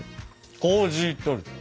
コージートルテ。